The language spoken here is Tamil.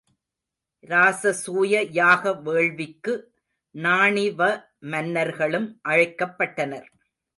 இராசசூய யாக வேள்விக்கு நாணிவ மன்னர்களும் அழைக்கப்பட்டனர்.